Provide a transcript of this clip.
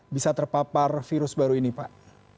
bisa terpapar virus baru ini pak